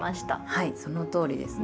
はいそのとおりです。